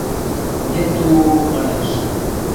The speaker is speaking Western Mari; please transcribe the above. – Нету-у... – манеш.